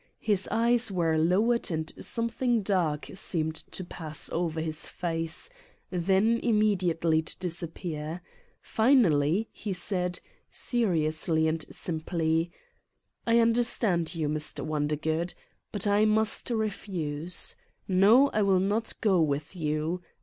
His eyes were lowered and something dark seemed to pass over his face, then immediately to disappear. Finally he said, seriously and simply : "I understand you, Mr. Wondergood but I must refuse. No, I will not go with you.